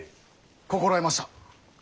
心得ました。